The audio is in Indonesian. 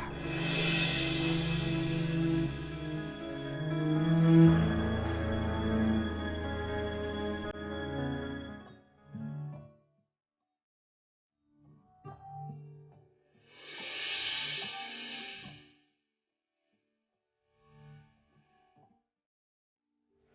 itu ada salah dia